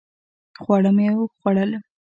خواړه مې وخوړل